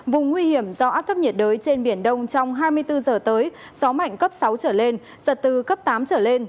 vùng nguy hiểm do áp thấp nhiệt đới trên biển đông trong hai mươi bốn giờ tới gió mạnh cấp sáu trở lên giật từ cấp tám trở lên